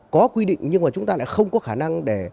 có quy định nhưng mà chúng ta lại không có khả năng để